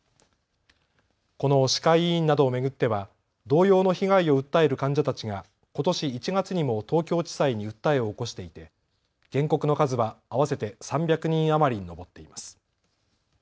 この歯科医院などを巡っては同様の被害を訴える患者たちがことし１月にも東京地裁に訴えを起こしていて原告の数は合わせて３００人余りに上っています。